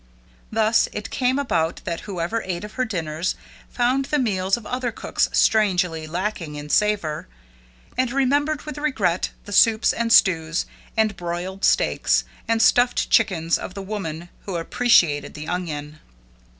Thus it came about that whoever ate of her dinners, found the meals of other cooks strangely lacking in savor, and remembered with regret the soups and stews, the broiled steaks, and stuffed chickens of the woman who appreciated the onion.